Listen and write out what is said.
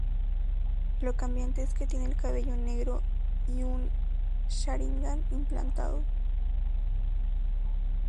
Lo cambiante es que tiene el cabello negro y un sharingan implantado.